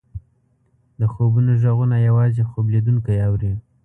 د خوبونو ږغونه یوازې خوب لیدونکی اوري.